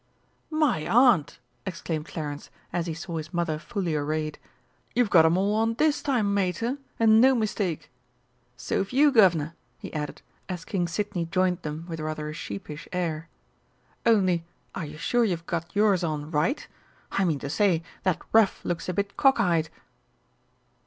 "My aunt!" exclaimed Clarence as he saw his Mother fully arrayed. "You've got 'em all on this time, Mater, and no mistake! So've you, Guv'nor," he added, as King Sidney joined them with rather a sheepish air. "Only are you sure you've got yours on right? I mean to say that ruff looks a bit cock eyed."